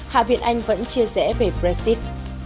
hạ viện anh vẫn chia rẽ về brexit